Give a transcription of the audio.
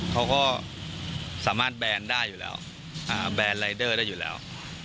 เขาก็สามารถแบนได้อยู่แล้ว